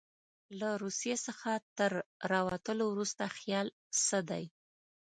له روسیې څخه تر راوتلو وروسته خیال څه دی.